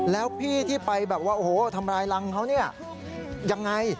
แล้วพี่ที่ไปแบบว่าโอ้โหทำลายรังเขาเนี่ยยังไง